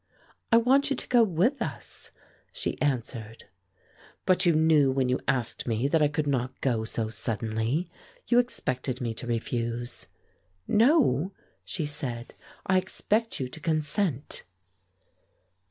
"I want you to go with us," she answered. "But you knew when you asked me that I could not go so suddenly. You expected me to refuse." "No," she said, "I expect you to consent."